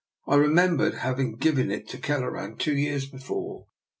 I remembered hav ing given it to Kelleran two years before.